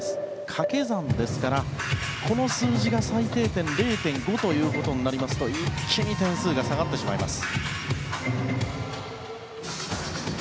掛け算ですからこの数字が最低点０．５ということになりますと一気に点数が下がってしまいます。